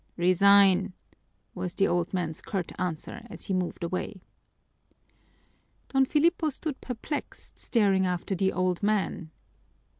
"Resign!" was the old man's curt answer as he moved away. Don Filipo stood perplexed, staring after the old man.